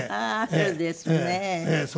そうです。